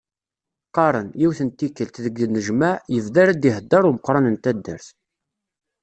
Qqarren, yiwet n tikkelt, deg unejmaɛ, yebda ara d-iheddeṛ umeqqran n taddart.